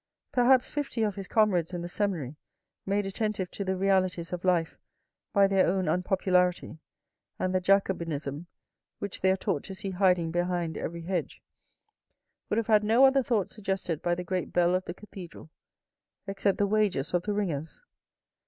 Perhaps fifty of his comrades in the seminary made attentive to the realities of life by their own unpopularity and the Jacobinism which they are taught to see hiding behind every hedge, would have had no other thought suggested by the great bell of the cathedral except the wages of the ringers.